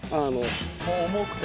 重くて？